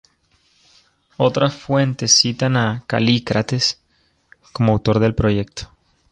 Otras fuentes citan a Calícrates como autor del proyecto.